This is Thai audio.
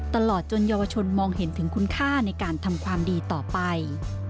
ตลอดจนเยาวชนมองเห็นถึงคุณค่าในการทำความดีต่อไป